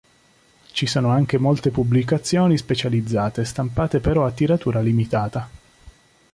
Ci sono anche molte pubblicazioni specializzate, stampate però a tiratura limitata.